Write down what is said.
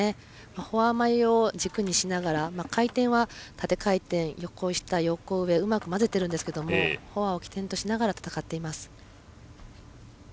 フォア前を軸にしながら回転は縦回転、横下横上、うまく交ぜてるんですけどフォアを起点としながら戦っています。